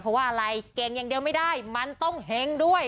เพราะว่าอะไรเก่งอย่างเดียวไม่ได้มันต้องเห็งด้วย